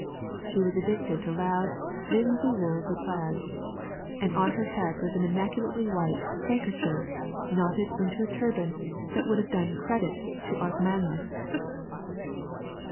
She was addicted to loud, linsey woolsey plaids, and on her head was an immaculately white "handkercher" knotted into a turban that would have done credit to the Osmanlis.